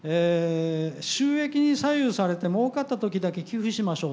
収益に左右されて儲かった時だけ寄付しましょう